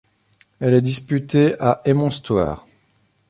Elle est disputée à Hémonstoir.